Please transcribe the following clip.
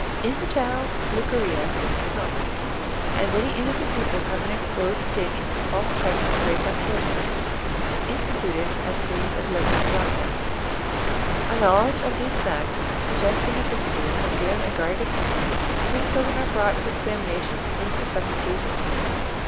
Infantile leucorrhoea is common, and many innocent people have been exposed to danger from false charges of rape on children, instituted as a means of levying blackmail. A knowledge of these facts suggests the necessity of giving a guarded opinion when children are brought for examination in suspected cases.